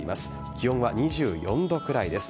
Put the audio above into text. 気温は２４度くらいです。